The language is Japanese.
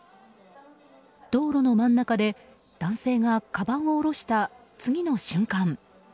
道路の真ん中で男性がかばんを下した次の瞬間。